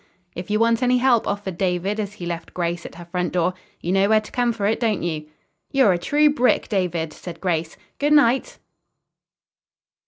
"If you want any help," offered David as he left Grace at her front door, "you know where to come for it, don't you?" "You're a true brick, David!" said Grace. "Good night."